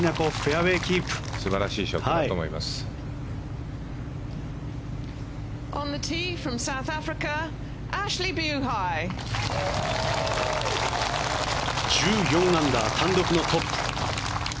１４アンダー単独のトップ。